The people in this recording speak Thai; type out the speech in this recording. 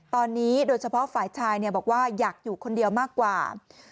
ตอนนี้โดยเฉพาะฝ่ายชายบอกว่าอยากอยู่คนเดียวมากกว่า